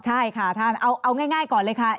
ใช่ค่ะท่านเอาง่ายก่อนเลยค่ะ